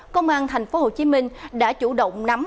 công an tp hcm đã chủ động nắm